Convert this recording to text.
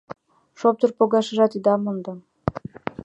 Шоптыр погашыжат ида мондо.